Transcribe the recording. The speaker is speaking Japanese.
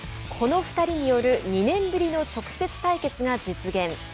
この２人による２年ぶりの直接対決が実現。